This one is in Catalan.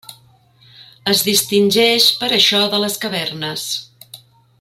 Es distingeix per això de les cavernes.